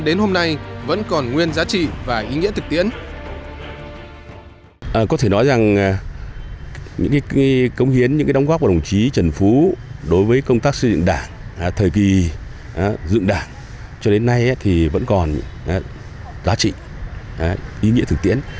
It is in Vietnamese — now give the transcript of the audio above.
đến hôm nay vẫn còn nguyên giá trị và ý nghĩa thực tiễn